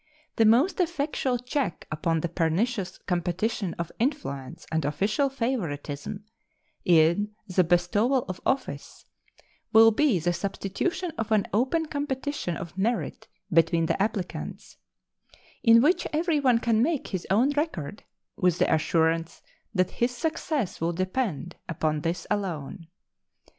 The most effectual check upon the pernicious competition of influence and official favoritism in the bestowal of office will be the substitution of an open competition of merit between the applicants, in which everyone can make his own record with the assurance that his success will depend upon this alone.